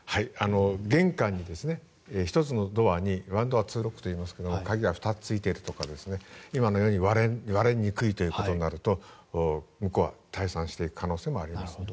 玄関に、１つのドアにワンドアツーロックといいますが鍵が２つついているとか今のように割れにくいということになると向こうは退散していく可能性もあります。